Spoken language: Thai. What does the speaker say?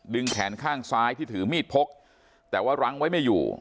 แขนข้างซ้ายที่ถือมีดพกแต่ว่ารั้งไว้ไม่อยู่